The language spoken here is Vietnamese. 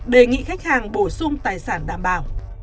đề nghị khách hàng bổ sung tài sản đảm bảo